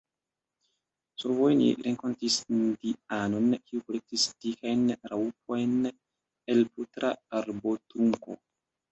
Survoje ni renkontis indianon, kiu kolektis dikajn raŭpojn el putra arbotrunko.